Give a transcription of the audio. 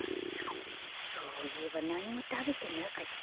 そういえばなにもたべてなかった。